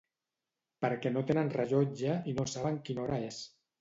Perquè no tenen rellotge i no saben quina hora és.